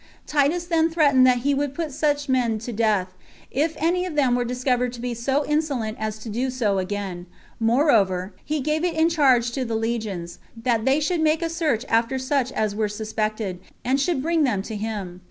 Titus then threatened that he would put such men to death, if any of them were discovered to be so insolent as to do so again; moreover, he gave it in charge to the legions, that they should make a search after such as were suspected, and should bring them to him.